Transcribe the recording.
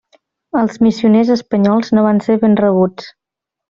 Els missioners espanyols no van ser ben rebuts.